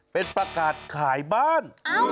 เป็นประกาศขายบ้าน